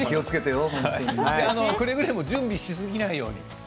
くれぐれも準備しすぎないように。